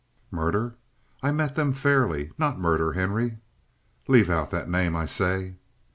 "Murder? I've met them fairly. Not murder, Henry." "Leave out that name, I say!"